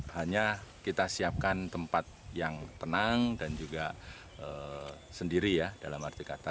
hanya kita siapkan tempat yang tenang dan juga sendiri ya dalam arti kata